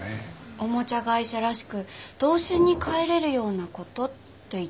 おもちゃ会社らしく童心に返れるようなことって言ってましたよね。